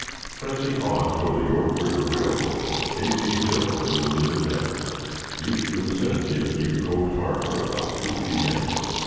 Pressing on toward the York River Railroad, A. P. Hill, who was in advance, reached the vicinity of New Cold Harbor about 2 P.M.